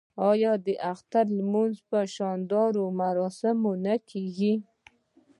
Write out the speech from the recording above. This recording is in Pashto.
آیا د اخترونو لمانځل په شاندارو مراسمو نه کیږي؟